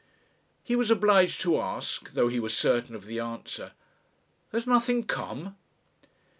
He was obliged to ask, though he was certain of the answer, "Has nothing come?"